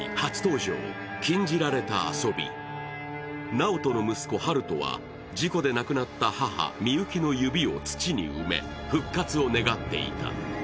直人の息子、春翔は事故で亡くなった母、美雪の指を土に埋め復活を願っていた。